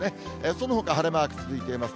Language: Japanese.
そのほか晴れマーク続いています。